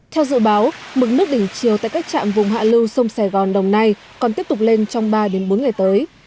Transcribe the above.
theo dự báo mực nước đỉnh chiều tại các trạm vùng hạ lưu sông sài gòn đồng nai còn tiếp tục lên trong ba bốn ngày tới